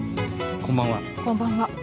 こんばんは。